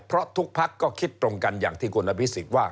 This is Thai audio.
เพราะทุกพักก็คิดตรงกันอย่างที่คุณอภิษฎว่า